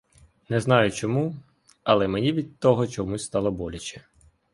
Не знаю чому, але мені від того чомусь стало боляче.